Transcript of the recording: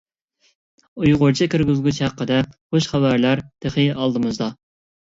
ئۇيغۇرچە كىرگۈزگۈچ ھەققىدە خۇش خەۋەرلەر تېخى ئالدىمىزدا!